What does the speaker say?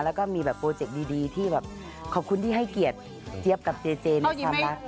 แล้วก็มีแบบโปรเจคดีที่แบบขอบคุณที่ให้เกียรติเจี๊ยบกับเจเจในความรัก